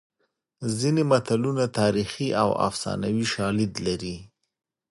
ځینې متلونه تاریخي او افسانوي شالید لري